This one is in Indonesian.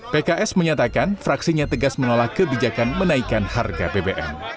pks menyatakan fraksinya tegas menolak kebijakan menaikan harga bbm